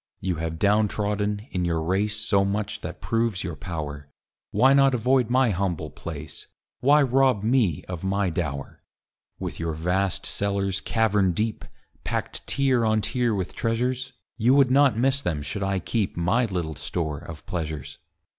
You have down trodden, in your race, So much that proves your power, Why not avoid my humble place? Why rob me of my dower? With your vast cellars, cavern deep, Packed tier on tier with treasures, You would not miss them should I keep My little store of pleasures.